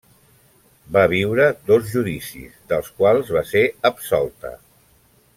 Va viure dos judicis, dels quals va ser absolta.